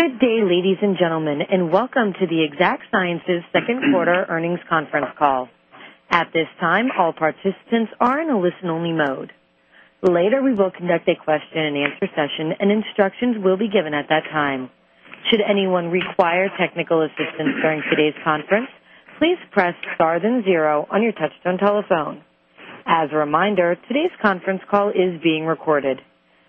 Good day, ladies and gentlemen, and welcome to the Exact Sciences second quarter earnings conference call. At this time, all participants are in a listen-only mode. Later, we will conduct a question-and-answer session, and instructions will be given at that time. Should anyone require technical assistance during today's conference, please press star then zero on your touch-tone telephone. As a reminder, today's conference call is being recorded.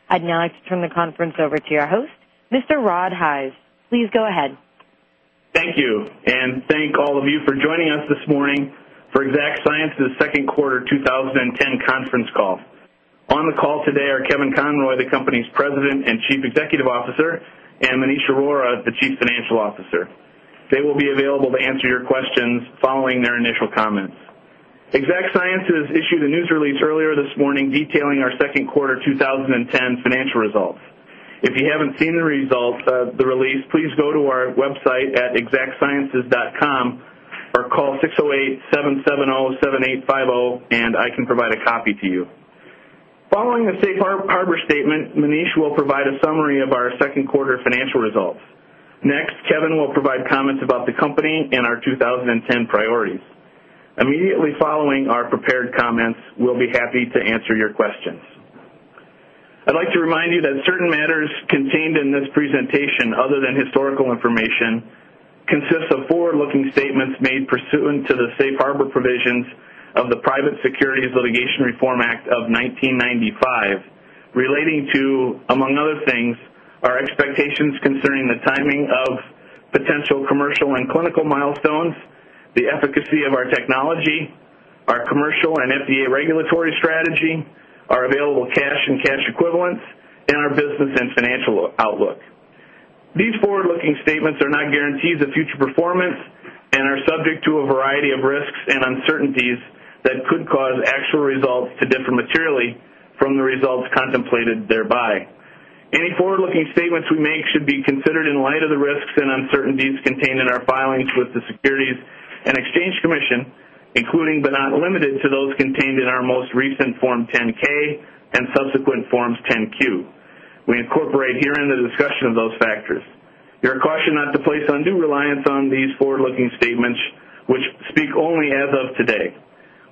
I'd now like to turn the conference over to your host, Mr. Rod Hise. Please go ahead. Thank you, and thank all of you for joining us this morning for Exact Sciences second quarter 2010 conference call. On the call today are Kevin Conroy, the company's President and Chief Executive Officer, and Maneesh Arora, the Chief Financial Officer. They will be available to answer your questions following their initial comments. Exact Sciences issued a news release earlier this morning detailing our second quarter 2010 financial results. If you have not seen the release, please go to our website at exactsciences.com or call 608-770-7850, and I can provide a copy to you. Following the safe harbor statement, Maneesh will provide a summary of our second quarter financial results. Next, Kevin will provide comments about the company and our 2010 priorities. Immediately following our prepared comments, we will be happy to answer your questions. I'd like to remind you that certain matters contained in this presentation, other than historical information, consist of forward-looking statements made pursuant to the safe harbor provisions of the Private Securities Litigation Reform Act of 1995, relating to, among other things, our expectations concerning the timing of potential commercial and clinical milestones, the efficacy of our technology, our commercial and FDA regulatory strategy, our available cash and cash equivalents, and our business and financial outlook. These forward-looking statements are not guarantees of future performance and are subject to a variety of risks and uncertainties that could cause actual results to differ materially from the results contemplated thereby. Any forward-looking statements we make should be considered in light of the risks and uncertainties contained in our filings with the Securities and Exchange Commission, including but not limited to those contained in our most recent Form 10-K and subsequent Forms 10-Q. We incorporate herein the discussion of those factors. Your caution not to place undue reliance on these forward-looking statements, which speak only as of today.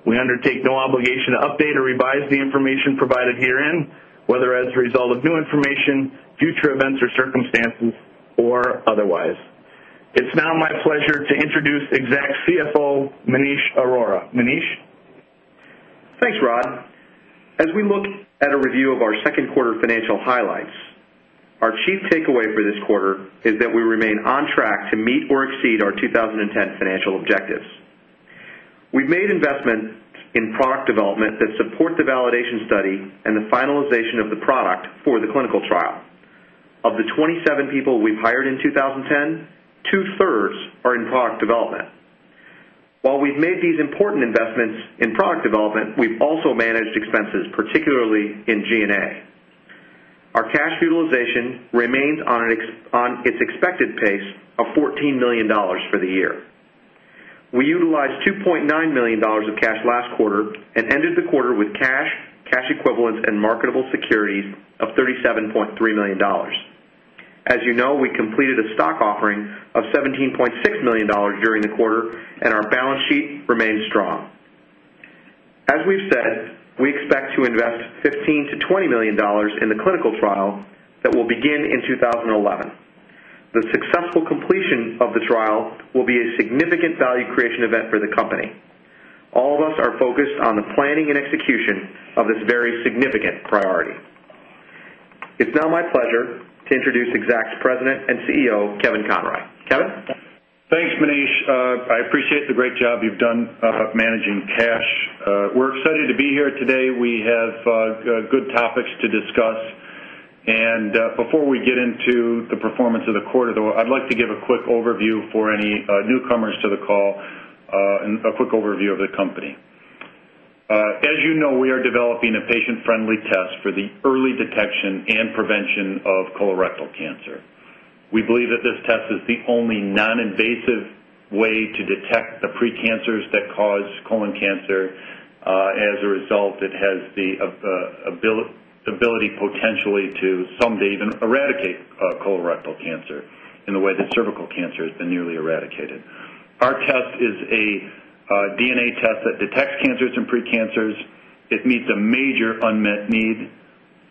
We undertake no obligation to update or revise the information provided herein, whether as a result of new information, future events, or circumstances, or otherwise. It's now my pleasure to introduce Exact CFO Maneesh Arora. Maneesh? Thanks, Rod. As we look at a review of our second quarter financial highlights, our chief takeaway for this quarter is that we remain on track to meet or exceed our 2010 financial objectives. We've made investments in product development that support the validation study and the finalization of the product for the clinical trial. Of the 27 people we've hired in 2010, two-thirds are in product development. While we've made these important investments in product development, we've also managed expenses, particularly in G&A. Our cash utilization remains on its expected pace of $14 million for the year. We utilized $2.9 million of cash last quarter and ended the quarter with cash, cash equivalents, and marketable securities of $37.3 million. As you know, we completed a stock offering of $17.6 million during the quarter, and our balance sheet remains strong. As we've said, we expect to invest $15 million-$20 million in the clinical trial that will begin in 2011. The successful completion of the trial will be a significant value creation event for the company. All of us are focused on the planning and execution of this very significant priority. It's now my pleasure to introduce Exact's President and CEO, Kevin Conroy. Kevin? Thanks, Maneesh. I appreciate the great job you've done managing cash. We're excited to be here today. We have good topics to discuss. Before we get into the performance of the quarter, though, I'd like to give a quick overview for any newcomers to the call, a quick overview of the company. As you know, we are developing a patient-friendly test for the early detection and prevention of colorectal cancer. We believe that this test is the only non-invasive way to detect the precancers that cause colon cancer. As a result, it has the ability, potentially, to someday even eradicate colorectal cancer in the way that cervical cancer has been nearly eradicated. Our test is a DNA test that detects cancers and precancers. It meets a major unmet need.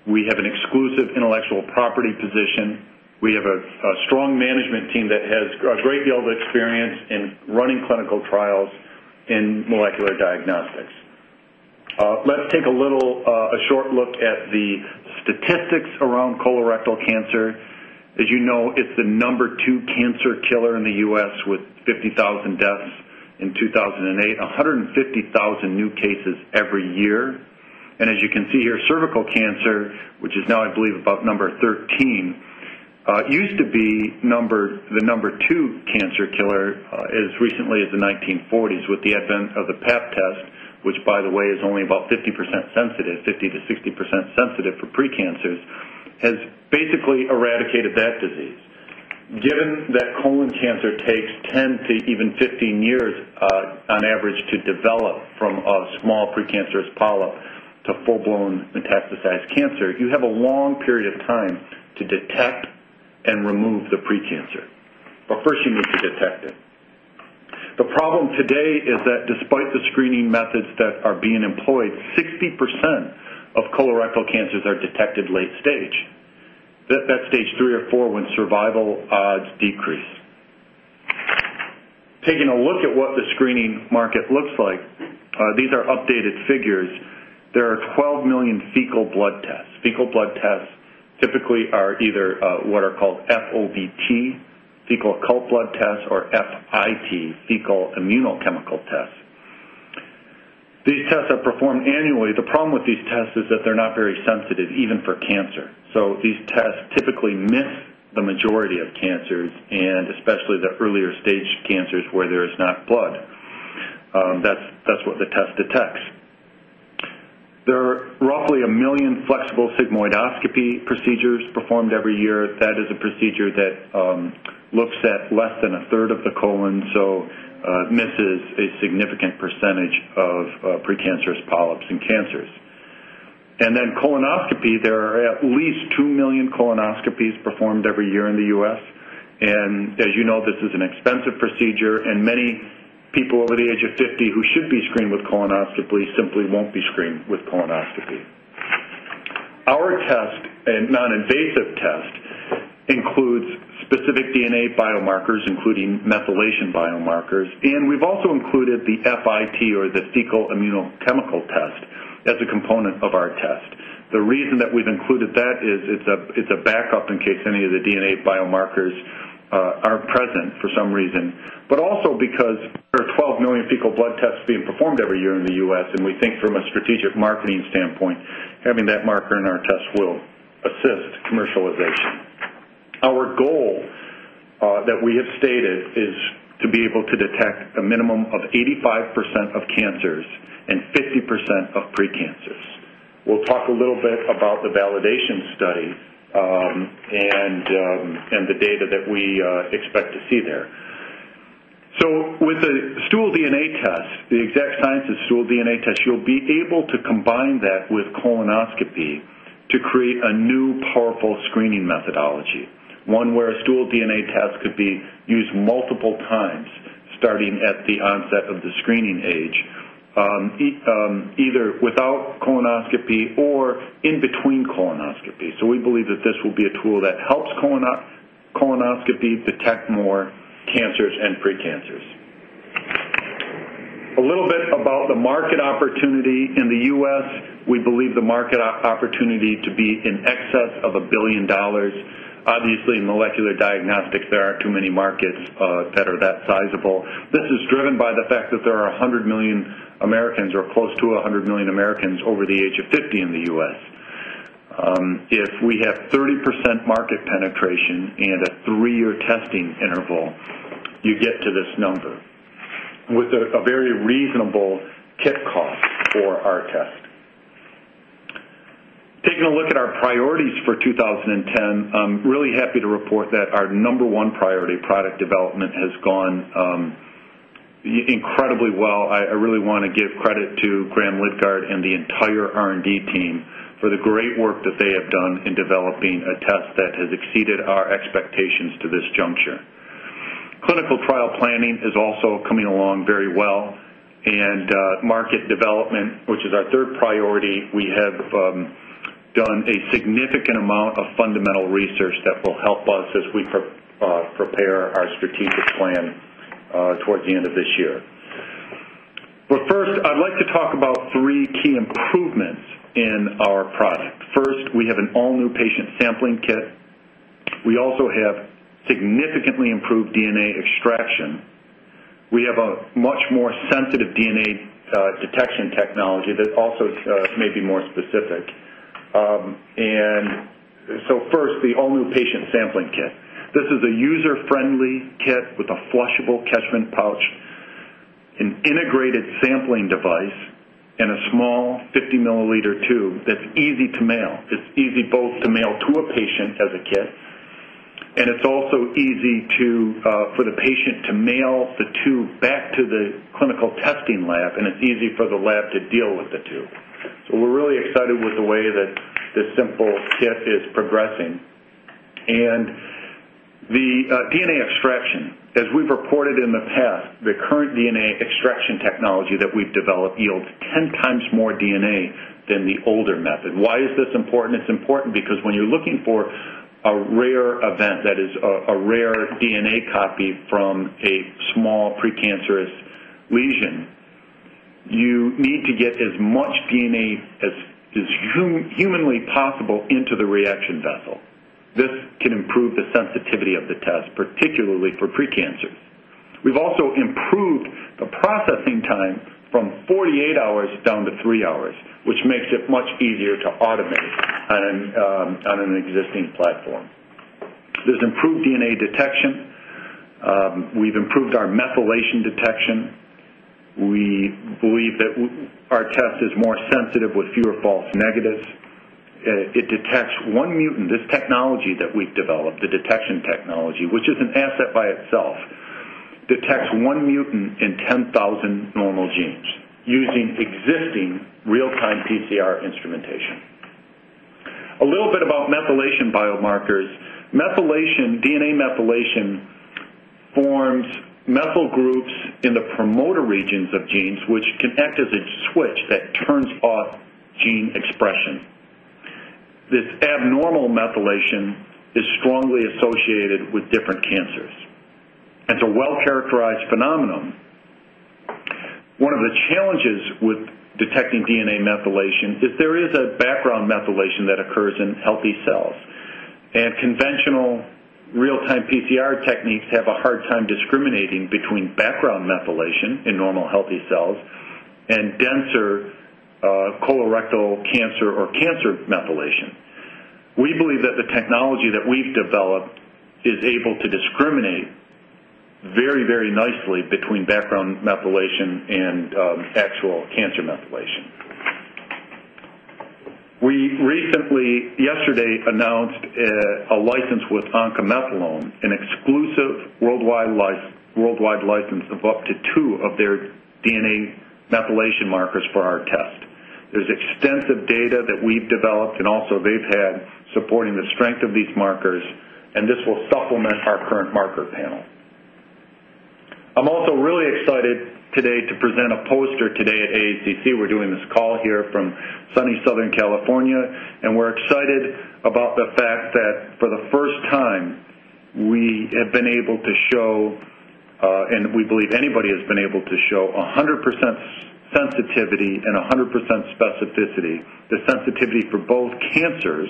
We have an exclusive intellectual property position. We have a strong management team that has a great deal of experience in running clinical trials in molecular diagnostics. Let's take a short look at the statistics around colorectal cancer. As you know, it's the number two cancer killer in the U.S., with 50,000 deaths in 2008, 150,000 new cases every year. As you can see here, cervical cancer, which is now, I believe, about number 13, used to be the number two cancer killer as recently as the 1940s with the advent of the Pap test, which, by the way, is only about 50% sensitive, 50%-60% sensitive for precancers, has basically eradicated that disease. Given that colon cancer takes 10 to even 15 years on average to develop from a small precancerous polyp to full-blown metastasized cancer, you have a long period of time to detect and remove the precancer. First, you need to detect it. The problem today is that, despite the screening methods that are being employed, 60% of colorectal cancers are detected late stage, at stage three or four when survival odds decrease. Taking a look at what the screening market looks like, these are updated figures. There are 12 million fecal blood tests. Fecal blood tests typically are either what are called FOBT, fecal occult blood tests, or FIT, fecal immunochemical tests. These tests are performed annually. The problem with these tests is that they're not very sensitive, even for cancer. These tests typically miss the majority of cancers, and especially the earlier stage cancers where there is not blood. That is what the test detects. There are roughly 1 million flexible sigmoidoscopy procedures performed every year. That is a procedure that looks at less than a third of the colon, so it misses a significant percentage of precancerous polyps and cancers. Colonoscopy, there are at least 2 million colonoscopies performed every year in the U.S. As you know, this is an expensive procedure, and many people over the age of 50 who should be screened with colonoscopy simply will not be screened with colonoscopy. Our test, a non-invasive test, includes specific DNA biomarkers, including methylation biomarkers. We have also included the FIT, or the fecal immunochemical test, as a component of our test. The reason that we have included that is it is a backup in case any of the DNA biomarkers are present for some reason. Also, because there are 12 million fecal blood tests being performed every year in the U.S., and we think from a strategic marketing standpoint, having that marker in our test will assist commercialization. Our goal that we have stated is to be able to detect a minimum of 85% of cancers and 50% of precancers. We'll talk a little bit about the validation study and the data that we expect to see there. With the stool DNA test, the Exact Sciences stool DNA test, you'll be able to combine that with colonoscopy to create a new powerful screening methodology, one where a stool DNA test could be used multiple times, starting at the onset of the screening age, either without colonoscopy or in between colonoscopy. We believe that this will be a tool that helps colonoscopy detect more cancers and precancers. A little bit about the market opportunity in the U.S. We believe the market opportunity to be in excess of $1 billion. Obviously, in molecular diagnostics, there are not too many markets that are that sizable. This is driven by the fact that there are 100 million Americans, or close to 100 million Americans, over the age of 50 in the U.S. If we have 30% market penetration and a three-year testing interval, you get to this number with a very reasonable kit cost for our test. Taking a look at our priorities for 2010, I am really happy to report that our number one priority, product development, has gone incredibly well. I really want to give credit to Graham Lidgard and the entire R&D team for the great work that they have done in developing a test that has exceeded our expectations to this juncture. Clinical trial planning is also coming along very well. Market development, which is our third priority, we have done a significant amount of fundamental research that will help us as we prepare our strategic plan towards the end of this year. First, I'd like to talk about three key improvements in our product. First, we have an all-new patient sampling kit. We also have significantly improved DNA extraction. We have a much more sensitive DNA detection technology that also may be more specific. First, the all-new patient sampling kit. This is a user-friendly kit with a flushable catchment pouch, an integrated sampling device, and a small 50 mL tube that's easy to mail. It's easy both to mail to a patient as a kit, and it's also easy for the patient to mail the tube back to the clinical testing lab, and it's easy for the lab to deal with the tube. We're really excited with the way that this simple kit is progressing. The DNA extraction, as we've reported in the past, the current DNA extraction technology that we've developed yields 10 times more DNA than the older method. Why is this important? It's important because when you're looking for a rare event, that is a rare DNA copy from a small precancerous lesion. You need to get as much DNA as humanly possible into the reaction vessel. This can improve the sensitivity of the test, particularly for precancers. We've also improved the processing time from 48 hours down to three hours, which makes it much easier to automate on an existing platform. There's improved DNA detection. We've improved our methylation detection. We believe that our test is more sensitive with fewer false negatives. It detects one mutant. This technology that we've developed, the detection technology, which is an asset by itself, detects one mutant in 10,000 normal genes using existing real-time PCR instrumentation. A little bit about methylation biomarkers. Methylation, DNA methylation, forms methyl groups in the promoter regions of genes, which can act as a switch that turns off gene expression. This abnormal methylation is strongly associated with different cancers. It's a well-characterized phenomenon. One of the challenges with detecting DNA methylation is there is a background methylation that occurs in healthy cells. Conventional real-time PCR techniques have a hard time discriminating between background methylation in normal healthy cells and denser colorectal cancer or cancer methylation. We believe that the technology that we've developed is able to discriminate very, very nicely between background methylation and actual cancer methylation. We recently, yesterday, announced a license with OncoMethylome, an exclusive worldwide license of up to two of their DNA methylation markers for our test. There's extensive data that we've developed and also they've had supporting the strength of these markers, and this will supplement our current marker panel. I'm also really excited today to present a poster today at AACC. We're doing this call here from sunny Southern California, and we're excited about the fact that for the first time, we have been able to show, and we believe anybody has been able to show, 100% sensitivity and 100% specificity, the sensitivity for both cancers,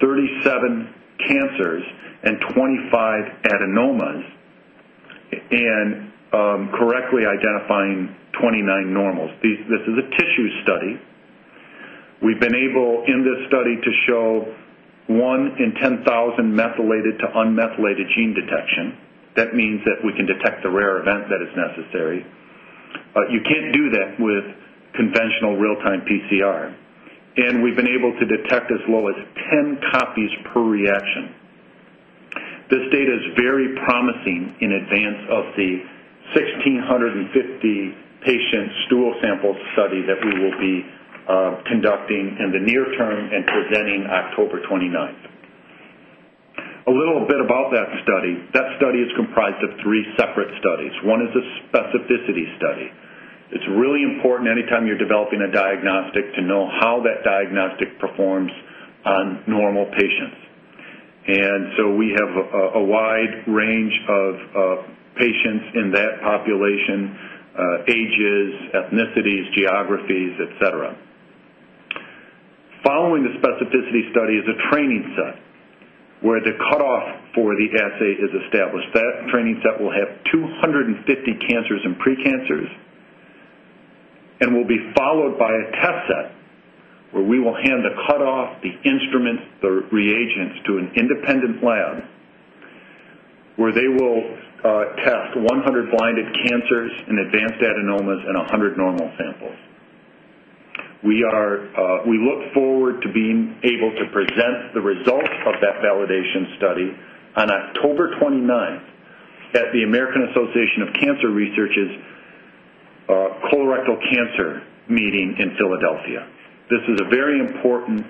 37 cancers and 25 adenomas, and correctly identifying 29 normals. This is a tissue study. We've been able, in this study, to show one in 10,000 methylated to unmethylated gene detection. That means that we can detect the rare event that is necessary. You can't do that with conventional real-time PCR. We've been able to detect as low as 10 copies per reaction. This data is very promising in advance of the 1,650-patient stool sample study that we will be conducting in the near-term and presenting October 29. A little bit about that study. That study is comprised of three separate studies. One is a specificity study. It's really important anytime you're developing a diagnostic to know how that diagnostic performs on normal patients. We have a wide range of patients in that population, ages, ethnicities, geographies, etc. Following the specificity study is a training set where the cutoff for the assay is established. That training set will have 250 cancers and precancers and will be followed by a test set where we will hand the cutoff, the instruments, the reagents to an independent lab where they will test 100 blinded cancers and advanced adenomas and 100 normal samples. We look forward to being able to present the results of that validation study on October 29 at the American Association of Cancer Research's colorectal cancer meeting in Philadelphia. This is a very important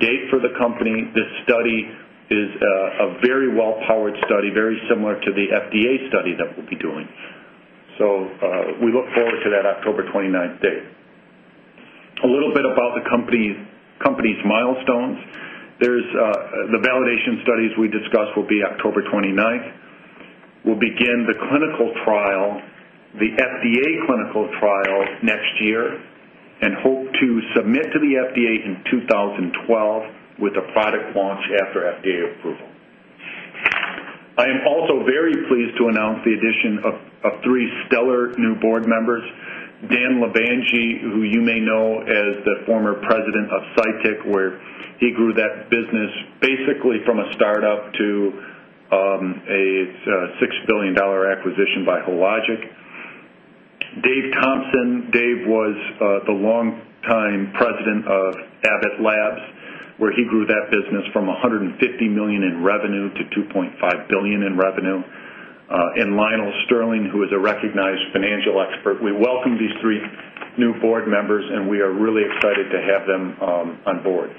date for the company. This study is a very well-powered study, very similar to the FDA study that we'll be doing. So we look forward to that October 29th date. A little bit about the company's milestones. The validation studies we discussed will be October 29th. We'll begin the clinical trial, the FDA clinical trial next year, and hope to submit to the FDA in 2012 with a product launch after FDA approval. I am also very pleased to announce the addition of three stellar new board members. Dan Levangie, who you may know as the former president of Cytyc, where he grew that business basically from a startup to a $6 billion acquisition by Hologic. Dave Thompson, Dave was the longtime president of Abbott Laboratories, where he grew that business from $150 million in revenue to $2.5 billion in revenue. And Lionel Sterling, who is a recognized financial expert. We welcome these three new board members, and we are really excited to have them on board.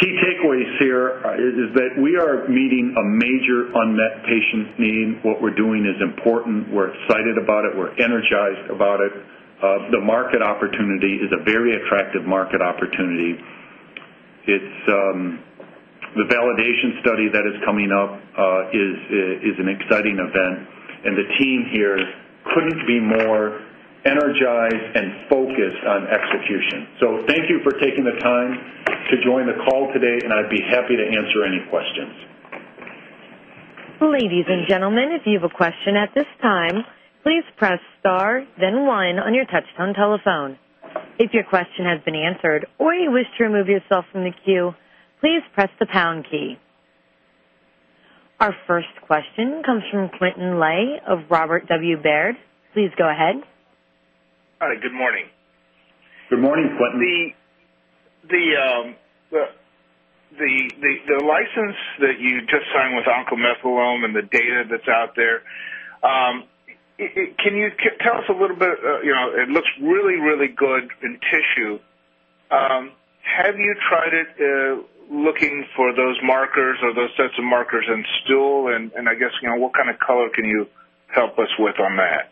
Key takeaways here is that we are meeting a major unmet patient need. What we're doing is important. We're excited about it. We're energized about it. The market opportunity is a very attractive market opportunity. The validation study that is coming up is an exciting event, and the team here could not be more energized and focused on execution. Thank you for taking the time to join the call today, and I'd be happy to answer any questions. Ladies and gentlemen, if you have a question at this time, please press star, then one on your touch-tone telephone. If your question has been answered or you wish to remove yourself from the queue, please press the pound key. Our first question comes from Quintin Lai of Robert W. Baird. Please go ahead. Hi. Good morning. Good morning, Quintin. The license that you just signed with OncoMethylome and the data that's out there, can you tell us a little bit? It looks really, really good in tissue. Have you tried it looking for those markers or those sets of markers in stool? I guess, what kind of color can you help us with on that?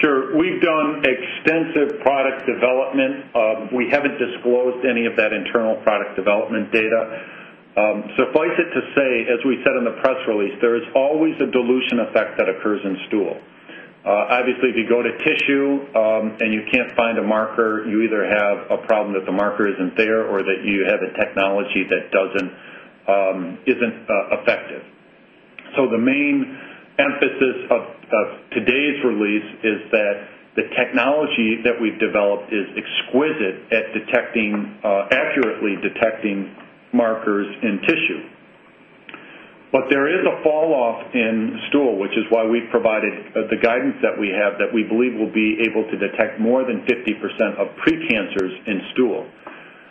Sure. We've done extensive product development. We haven't disclosed any of that internal product development data. Suffice it to say, as we said in the press release, there is always a dilution effect that occurs in stool. Obviously, if you go to tissue and you can't find a marker, you either have a problem that the marker isn't there or that you have a technology that isn't effective. The main emphasis of today's release is that the technology that we've developed is exquisite at accurately detecting markers in tissue. There is a falloff in stool, which is why we've provided the guidance that we have that we believe will be able to detect more than 50% of precancers in stool.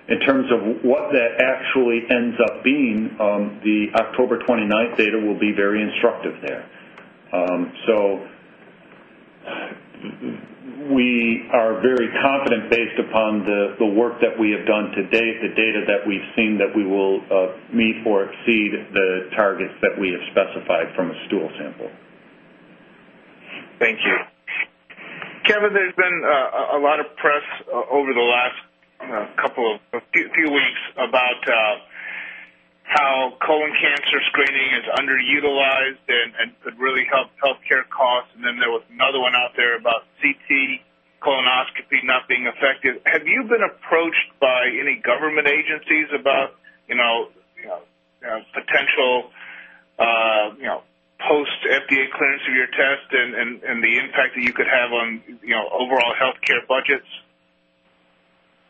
In terms of what that actually ends up being, the October 29 data will be very instructive there. We are very confident based upon the work that we have done to date and the data that we've seen that we will meet or exceed the targets that we have specified from a stool sample. Thank you. Kevin, there's been a lot of press over the last couple of few weeks about how colon cancer screening is underutilized and could really help healthcare costs. There was another one out there about CT colonoscopy not being effective. Have you been approached by any government agencies about potential post-FDA clearance of your test and the impact that you could have on overall healthcare budgets?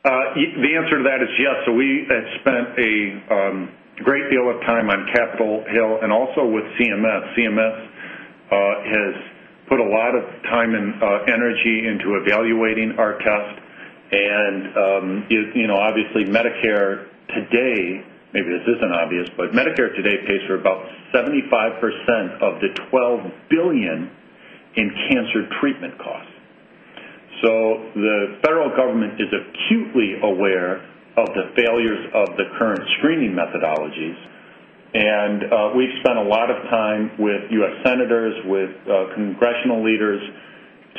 The answer to that is yes. We have spent a great deal of time on Capitol Hill and also with CMS. CMS has put a lot of time and energy into evaluating our test. Obviously, Medicare today—maybe this is not obvious—but Medicare today pays for about 75% of the $12 billion in cancer treatment costs. The federal government is acutely aware of the failures of the current screening methodologies. We have spent a lot of time with U.S. senators, with congressional leaders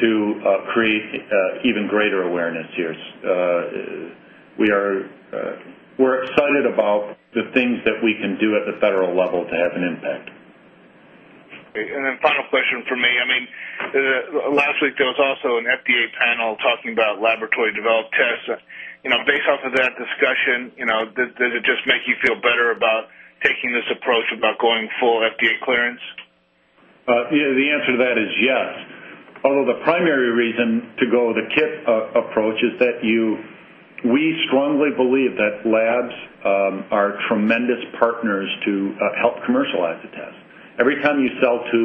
to create even greater awareness here. We are excited about the things that we can do at the federal level to have an impact. And then final question for me. I mean, last week, there was also an FDA panel talking about laboratory-developed tests. Based off of that discussion, does it just make you feel better about taking this approach about going full FDA clearance? The answer to that is yes. Although the primary reason to go with the KIPP approach is that we strongly believe that labs are tremendous partners to help commercialize the test. Every time you sell to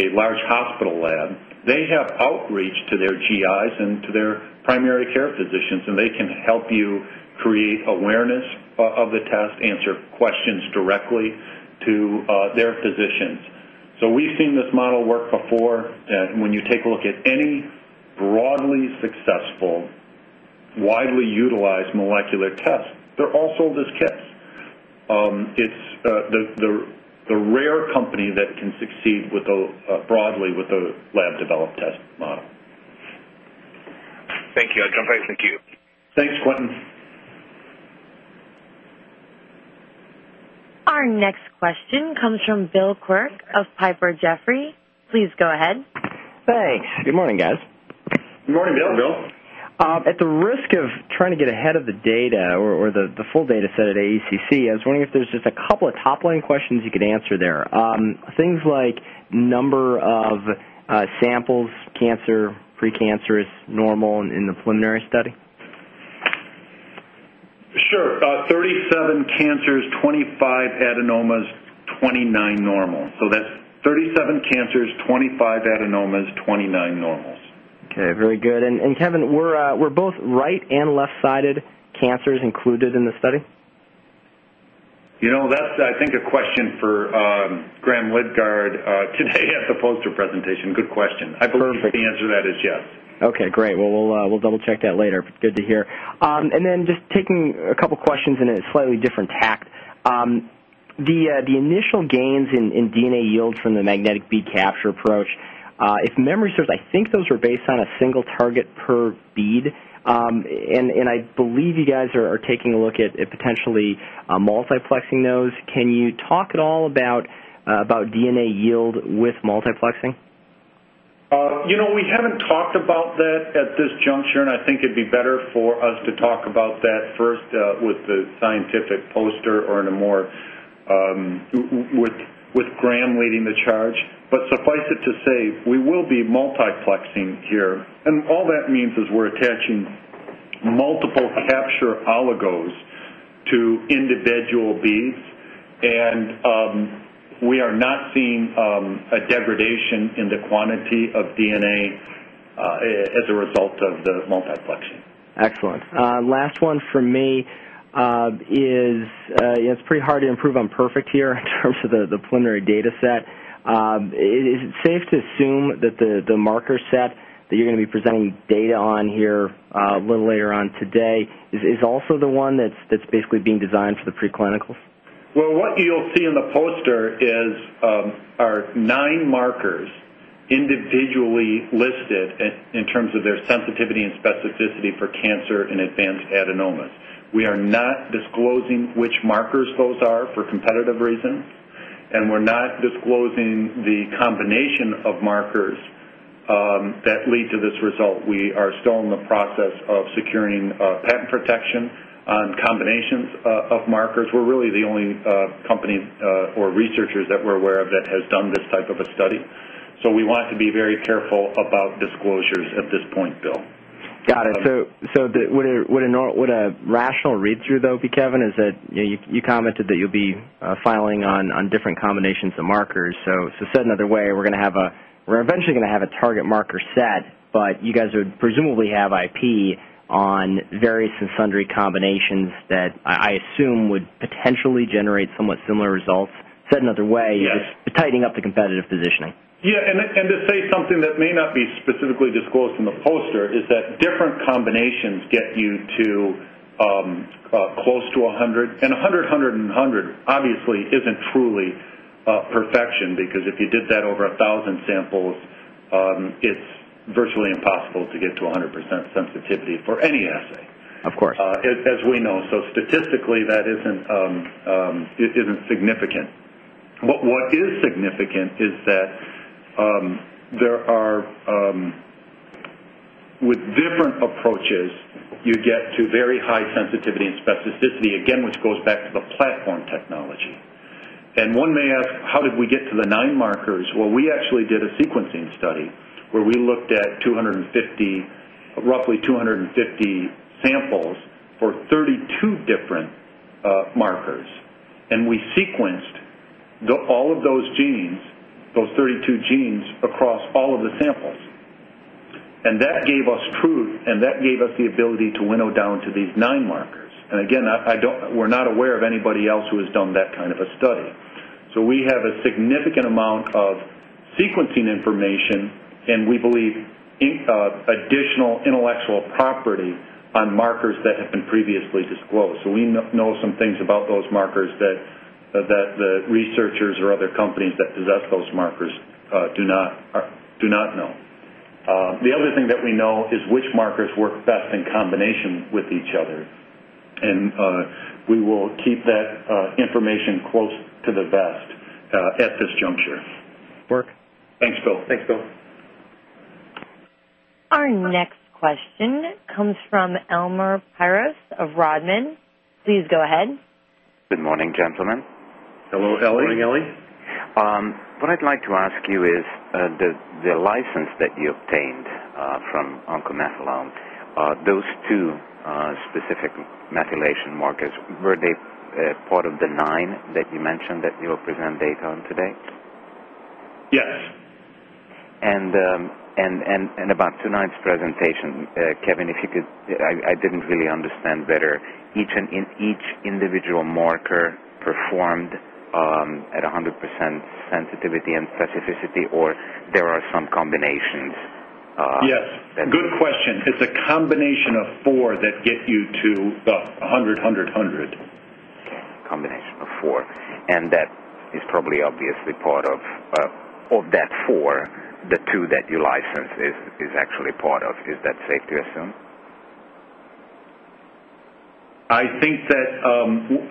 a large hospital lab, they have outreach to their GIs and to their primary care physicians, and they can help you create awareness of the test, answer questions directly to their physicians. We have seen this model work before. When you take a look at any broadly successful, widely utilized molecular test, there also are these KIPPs. It is the rare company that can succeed broadly with a lab-developed test model. Thank you. Kevin, thank you. Thanks, Quintin. Our next question comes from Bill Quirk of Piper Jaffray. Please go ahead. Thanks. Good morning, guys. Good morning, Bill. At the risk of trying to get ahead of the data or the full data set at AACC, I was wondering if there's just a couple of top-line questions you could answer there. Things like number of samples, cancer, precancerous, normal in the preliminary study? Sure. 37 cancers, 25 adenomas, 29 normal. So that's 37 cancers, 25 adenomas, 29 normals. Okay. Very good. And Kevin, were both right and left-sided cancers included in the study? That's, I think, a question for Graham Lidgard today at the poster presentation. Good question. I believe the answer to that is yes. Okay. Great. We'll double-check that later. Good to hear. And then just taking a couple of questions in a slightly different tact. The initial gains in DNA yields from the magnetic bead capture approach, if memory serves, I think those were based on a single target per bead. I believe you guys are taking a look at potentially multiplexing those. Can you talk at all about DNA yield with multiplexing? We have not talked about that at this juncture, and I think it would be better for us to talk about that first with the scientific poster or with Graham leading the charge. Suffice it to say, we will be multiplexing here. All that means is we are attaching multiple capture oligos to individual beads. We are not seeing a degradation in the quantity of DNA as a result of the multiplexing. Excellent. Last one for me is it is pretty hard to improve on perfect here in terms of the preliminary data set. Is it safe to assume that the marker set that you're going to be presenting data on here a little later on today is also the one that's basically being designed for the preclinicals? What you'll see in the poster are nine markers individually listed in terms of their sensitivity and specificity for cancer and advanced adenomas. We are not disclosing which markers those are for competitive reasons. We are not disclosing the combination of markers that lead to this result. We are still in the process of securing patent protection on combinations of markers. We are really the only company or researchers that we're aware of that has done this type of a study. We want to be very careful about disclosures at this point, Bill. Got it. Would a rational read-through, though, be, Kevin, is that you commented that you'll be filing on different combinations of markers? Said another way, we're eventually going to have a target marker set, but you guys would presumably have IP on various and sundry combinations that I assume would potentially generate somewhat similar results. Said another way, you're just tightening up the competitive positioning. Yeah. To say something that may not be specifically disclosed in the poster is that different combinations get you to close to 100. And 100, 100, and 100 obviously isn't truly perfection because if you did that over 1,000 samples, it's virtually impossible to get to 100% sensitivity for any assay, as we know. Statistically, that isn't significant. What is significant is that with different approaches, you get to very high sensitivity and specificity, again, which goes back to the platform technology. One may ask, how did we get to the nine markers? We actually did a sequencing study where we looked at roughly 250 samples for 32 different markers. We sequenced all of those genes, those 32 genes, across all of the samples. That gave us truth, and that gave us the ability to winnow down to these nine markers. Again, we're not aware of anybody else who has done that kind of a study. We have a significant amount of sequencing information, and we believe additional intellectual property on markers that have been previously disclosed. We know some things about those markers that the researchers or other companies that possess those markers do not know. The other thing that we know is which markers work best in combination with each other. We will keep that information close to the vest at this juncture. Thanks, Bill. Thanks, Bill. Our next question comes from Elemer Piros of Rodman. Please go ahead. Good morning, gentlemen. Hello, Eli. Good morning, Eli. What I'd like to ask you is the license that you obtained from OncoMethylome, those two specific methylation markers, were they part of the nine that you mentioned that you'll present data on today? Yes. And about tonight's presentation, Kevin, if you could—I didn't really understand better—each individual marker performed at 100% sensitivity and specificity, or are there some combinations? Yes. Good question. It's a combination of four that get you to the 100, 100, 100. Okay. Combination of four. And that is probably obviously part of that four, the two that you licensed is actually part of. Is that safe to assume? I think that,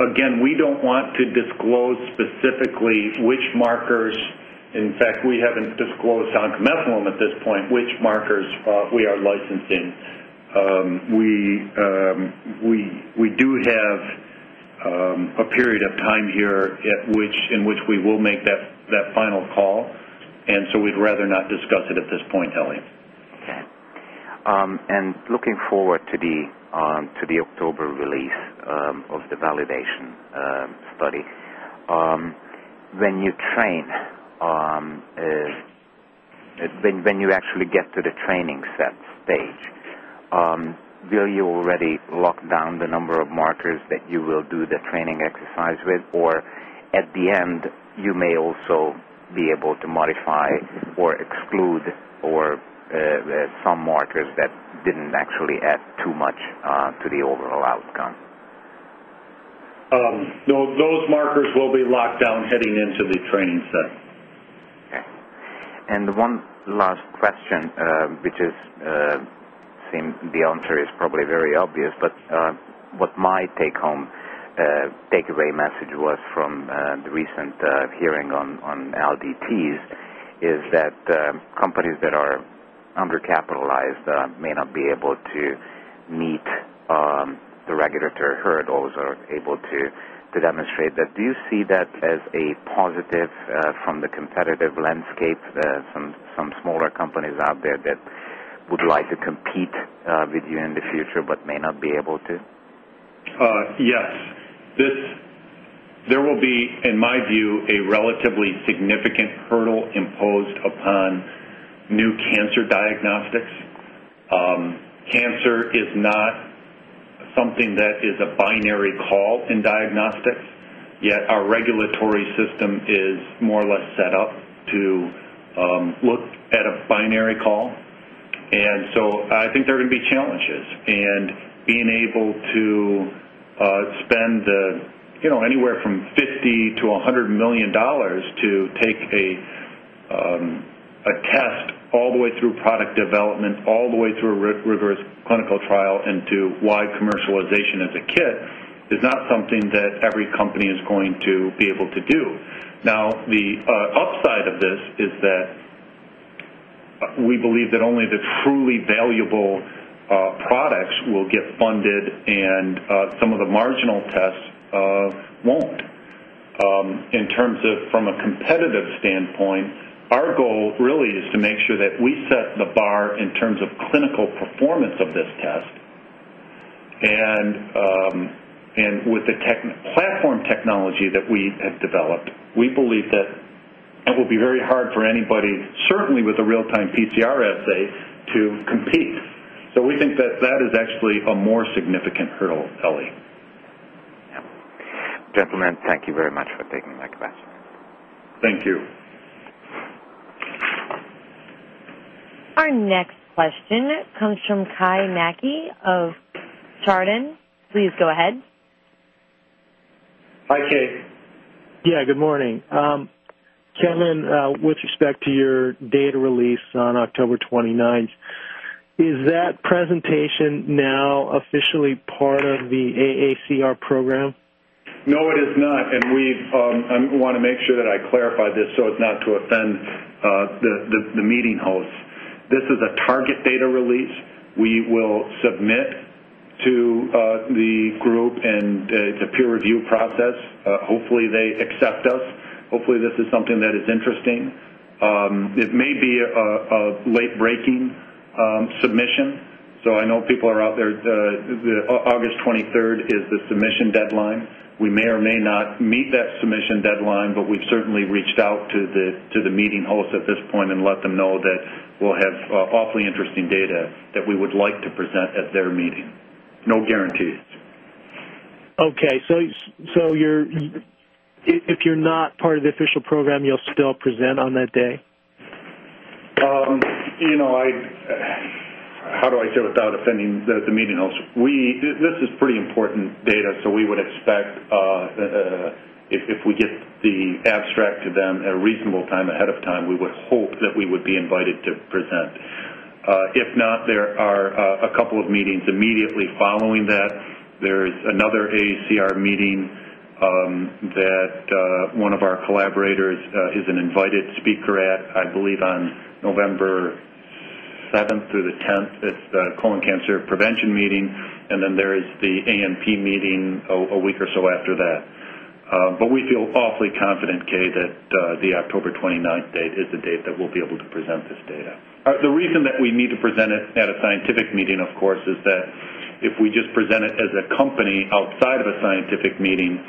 again, we don't want to disclose specifically which markers—in fact, we haven't disclosed OncoMethylome at this point—which markers we are licensing. We do have a period of time here in which we will make that final call. We would rather not discuss it at this point, Eli. Okay. Looking forward to the October release of the validation study, when you actually get to the training set stage, will you already lock down the number of markers that you will do the training exercise with? Or at the end, you may also be able to modify or exclude some markers that did not actually add too much to the overall outcome? No, those markers will be locked down heading into the training set. Okay. One last question, which seems the answer is probably very obvious, but what my takeaway message was from the recent hearing on LDTs is that companies that are undercapitalized may not be able to meet the regulatory hurdles or are able to demonstrate that. Do you see that as a positive from the competitive landscape, some smaller companies out there that would like to compete with you in the future but may not be able to? Yes. There will be, in my view, a relatively significant hurdle imposed upon new cancer diagnostics. Cancer is not something that is a binary call in diagnostics, yet our regulatory system is more or less set up to look at a binary call. I think there are going to be challenges. Being able to spend anywhere from $50 million-$100 million to take a test all the way through product development, all the way through a rigorous clinical trial, and to wide commercialization as a kit is not something that every company is going to be able to do. The upside of this is that we believe that only the truly valuable products will get funded, and some of the marginal tests will not. In terms of from a competitive standpoint, our goal really is to make sure that we set the bar in terms of clinical performance of this test. With the platform technology that we have developed, we believe that it will be very hard for anybody, certainly with a real-time PCR assay, to compete. We think that that is actually a more significant hurdle, Eli. Gentlemen, thank you very much for taking my question. Thank you. Our next question comes from Kai Mackie of Chardon. Please go ahead. Hi, Kai. Yeah. Good morning. Kevin, with respect to your data release on October 29, is that presentation now officially part of the AACR program? No, it is not. I want to make sure that I clarify this so as not to offend the meeting hosts. This is a target data release. We will submit to the group, and it's a peer review process. Hopefully, they accept us. Hopefully, this is something that is interesting. It may be a late-breaking submission. I know people are out there. August 23rd is the submission deadline. We may or may not meet that submission deadline, but we've certainly reached out to the meeting hosts at this point and let them know that we'll have awfully interesting data that we would like to present at their meeting. No guarantees. Okay. So if you're not part of the official program, you'll still present on that day? How do I say without offending the meeting hosts? This is pretty important data, so we would expect if we get the abstract to them at a reasonable time ahead of time, we would hope that we would be invited to present. If not, there are a couple of meetings immediately following that. There is another AACR meeting that one of our collaborators is an invited speaker at, I believe, on November 7th through the 10th. It's the colon cancer prevention meeting. And then there is the A&P meeting a week or so after that. But we feel awfully confident, Kai, that the October 29th date is the date that we'll be able to present this data. The reason that we need to present it at a scientific meeting, of course, is that if we just present it as a company outside of a scientific meeting,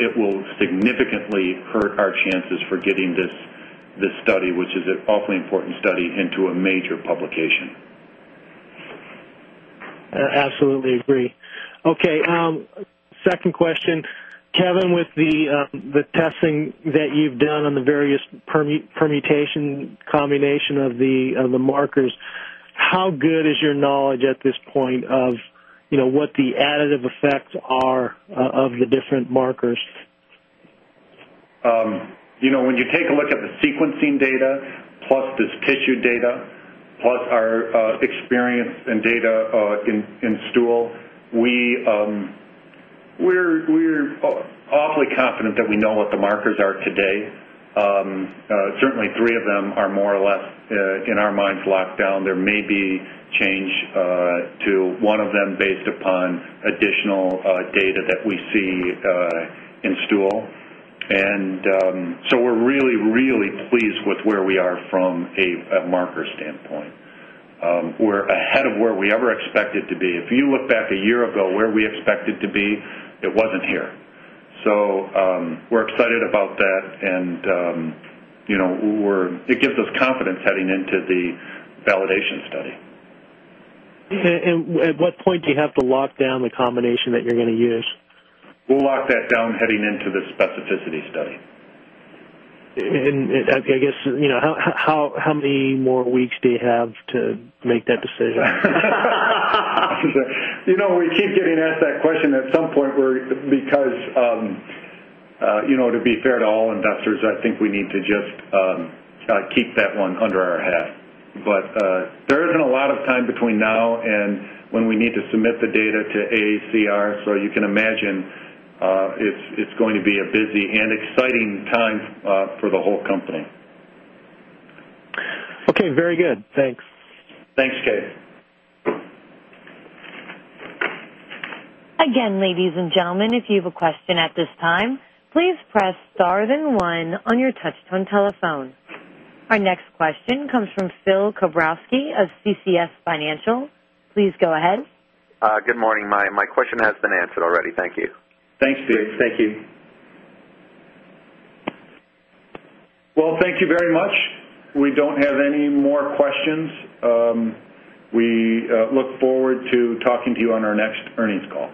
it will significantly hurt our chances for getting this study, which is an awfully important study, into a major publication. Absolutely agree. Okay. Second question. Kevin, with the testing that you've done on the various permutation combination of the markers, how good is your knowledge at this point of what the additive effects are of the different markers? When you take a look at the sequencing data plus this tissue data plus our experience and data in stool, we're awfully confident that we know what the markers are today. Certainly, three of them are more or less, in our minds, locked down. There may be change to one of them based upon additional data that we see in stool. We are really, really pleased with where we are from a marker standpoint. We are ahead of where we ever expected to be. If you look back a year ago where we expected to be, it was not here. We are excited about that, and it gives us confidence heading into the validation study. At what point do you have to lock down the combination that you are going to use? We will lock that down heading into the specificity study. I guess, how many more weeks do you have to make that decision? We keep getting asked that question at some point because, to be fair to all investors, I think we need to just keep that one under our hat. There is not a lot of time between now and when we need to submit the data to AACR. You can imagine it's going to be a busy and exciting time for the whole company. Okay. Very good. Thanks. Thanks, Kai. Again, ladies and gentlemen, if you have a question at this time, please press star then one on your touch-tone telephone. Our next question comes from Phil Kobren of CCS Financial. Please go ahead. Good morning. My question has been answered already. Thank you. Thanks, Phil. Thank you. Well, thank you very much. We do not have any more questions. We look forward to talking to you on our next earnings call.